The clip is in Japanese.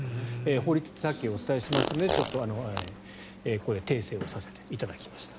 法律ってさっきお伝えしましたがここでちょっと訂正をさせていただきました。